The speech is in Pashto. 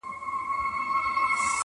کلي ورو ورو بدلېږي ډېر,